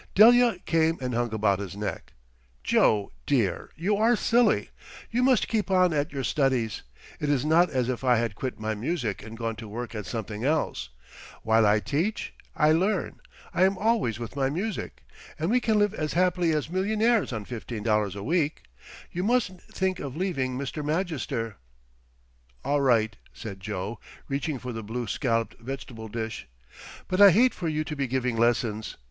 Delia came and hung about his neck. "Joe, dear, you are silly. You must keep on at your studies. It is not as if I had quit my music and gone to work at something else. While I teach I learn. I am always with my music. And we can live as happily as millionaires on $15 a week. You mustn't think of leaving Mr. Magister." "All right," said Joe, reaching for the blue scalloped vegetable dish. "But I hate for you to be giving lessons.